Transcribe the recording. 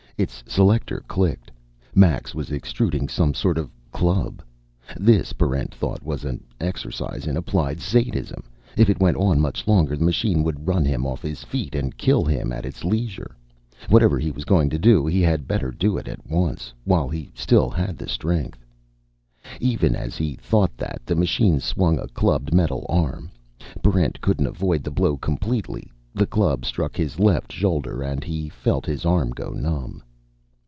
Its selector clicked. Max was extruding some sort of a club. This, Barrent thought, was an exercise in applied sadism. If it went on much longer, the machine would run him off his feet and kill him at its leisure. Whatever he was going to do, he had better do it at once, while he still had the strength. Even as he thought that, the machine swung a clubbed metal arm. Barrent couldn't avoid the blow completely. The club struck his left shoulder, and he felt his arm go numb.